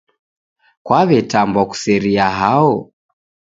Kwaw'etambwa kuseria hao?